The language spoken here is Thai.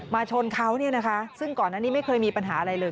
ชนเขาเนี่ยนะคะซึ่งก่อนอันนี้ไม่เคยมีปัญหาอะไรเลย